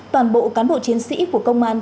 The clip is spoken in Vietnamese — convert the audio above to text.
toàn bộ cán bộ chiến sĩ của công an